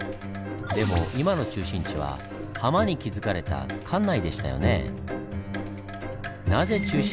でも今の中心地はハマに築かれた関内でしたよね。